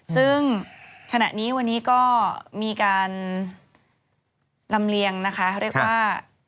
ซึ่งขณะนี้วันนี้ก็มีการลำเลียงนะคะเรียกว่า